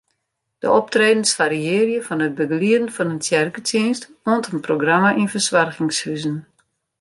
De optredens fariearje fan it begelieden fan in tsjerketsjinst oant in programma yn fersoargingshuzen.